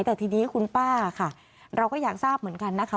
แต่ทีนี้คุณป้าค่ะเราก็อยากทราบเหมือนกันนะคะ